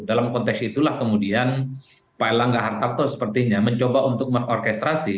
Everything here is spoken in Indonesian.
dalam konteks itulah kemudian pak elangga hartarto sepertinya mencoba untuk mengorkestrasi